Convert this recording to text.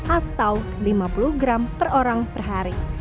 atau lima puluh gram per orang per hari